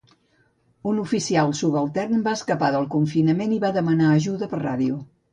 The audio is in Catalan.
Un oficial subaltern va escapar del confinament i va demanar ajuda per ràdio.